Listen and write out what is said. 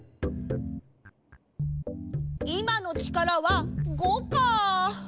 いまの力は５か。